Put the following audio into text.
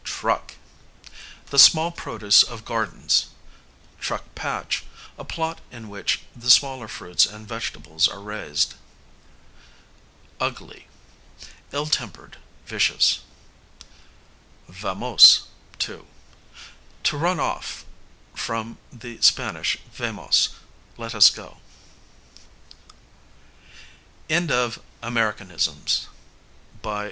Truck, the small produce of gardens; truck patch, a plot in which the smaller fruits and vegetables are raised. Ugly, ill tempered, vicious. Vamose, to; to run off (from the Sp. vamos, let us go). BIBLIOGRAPHY: T.